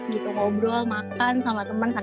tiga m itu menurut saya sangat penting sih